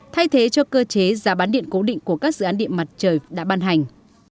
thay thế cho cơ chế giá bán điện cố định của các dự án điện mặt trời đã ban hành